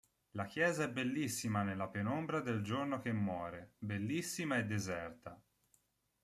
La chiesa è bellissima nella penombra del giorno che muore, bellissima e deserta.